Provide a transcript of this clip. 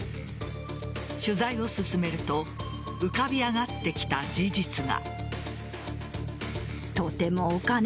取材を進めると浮かび上がってきた事実が。